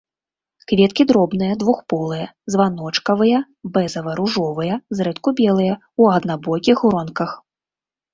Кветкі дробныя, двухполыя, званочкавыя, бэзава-ружовыя, зрэдку белыя, у аднабокіх гронках.